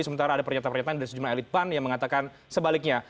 sementara ada pernyataan pernyataan dari sejumlah elit pan yang mengatakan sebaliknya